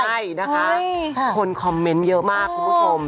ใช่นะคะคนคอมเมนต์เยอะมากคุณผู้ชม